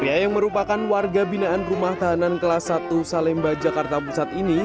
pria yang merupakan warga binaan rumah tahanan kelas satu salemba jakarta pusat ini